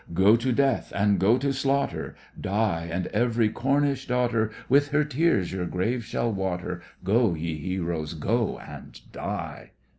Go to death, and go to slaughter; Die, and every Cornish daughter With her tears your grave shall water. Go, ye heroes, go and die!